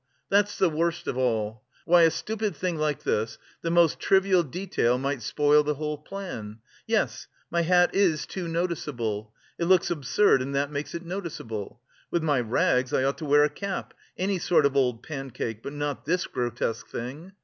That's the worst of all! Why, a stupid thing like this, the most trivial detail might spoil the whole plan. Yes, my hat is too noticeable.... It looks absurd and that makes it noticeable.... With my rags I ought to wear a cap, any sort of old pancake, but not this grotesque thing.